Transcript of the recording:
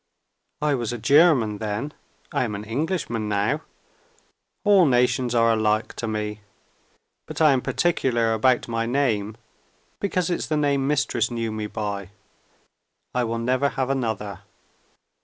I was a German then I am an Englishman now. All nations are alike to me. But I am particular about my name, because it's the name Mistress knew me by. I will never have another.